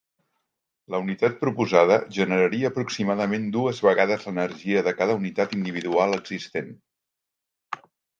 La unitat proposada generaria aproximadament dues vegades l'energia de cada unitat individual existent.